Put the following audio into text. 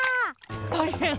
たいへん！